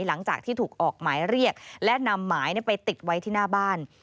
หลังจากที่ถูกออกหมายเรียกและนำหมายไปติดไว้ที่หน้าบ้าน